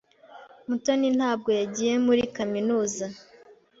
Mutoni ntabwo yagiye muri kaminuza.